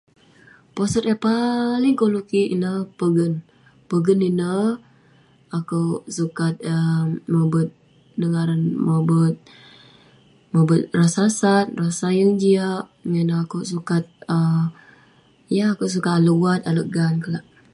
Posot yah paling kolerk kik ineh pengen, pengen ineh akuek sukat um mobet inuek ngaran mobet, mobet rasa sat rasa yang jiak ngan ineh akuek sukat um yeng akuek sukat alek uwat alek gan kelak